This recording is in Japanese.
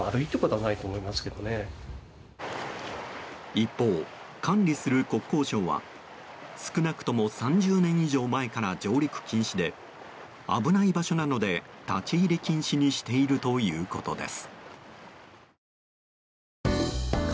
一方、管理する国交省は少なくとも３０年以上前から上陸禁止で危ない場所なので立ち入り禁止にしているということです。